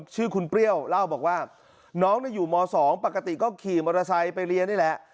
ชื่อคุณเปรี้ยวเล่าบอกว่าน้องอยู่ม๒ปกติก็ขี่มอเตอร์ไซค์ไปเรียนนี่แหละ